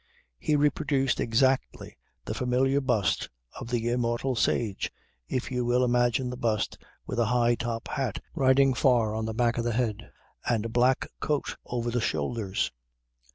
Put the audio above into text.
He reproduced exactly the familiar bust of the immortal sage, if you will imagine the bust with a high top hat riding far on the back of the head, and a black coat over the shoulders.